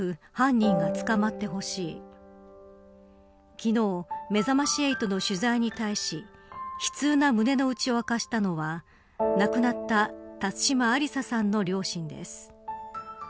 昨日、めざまし８の取材に対し悲痛な胸の内を明かしたのは亡くなった辰島ありささんの両親です。